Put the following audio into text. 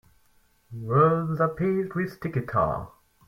Roads are paved with sticky tar.